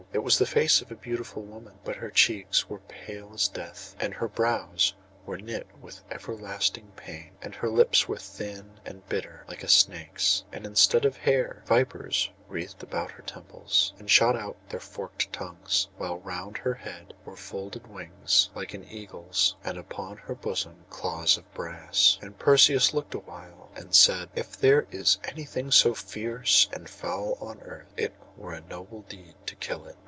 It was the face of a beautiful woman; but her cheeks were pale as death, and her brows were knit with everlasting pain, and her lips were thin and bitter like a snake's; and instead of hair, vipers wreathed about her temples, and shot out their forked tongues; while round her head were folded wings like an eagle's, and upon her bosom claws of brass. And Perseus looked awhile, and then said: 'If there is anything so fierce and foul on earth, it were a noble deed to kill it.